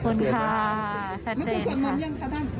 ไม่มีโสดมอนร์อย่างข้าท่าน